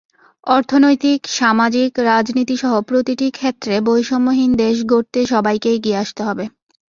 অর্থনৈতিক, সামাজিক, রাজনীতিসহ প্রতিটি ক্ষেত্রে বৈষম্যহীন দেশ গড়তে সবাইকে এগিয়ে আসতে হবে।